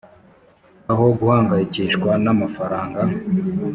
aho guhangayikishwa n amafaranga